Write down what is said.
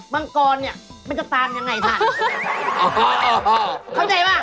เบอร์๒มันจะตามยังไงส่ง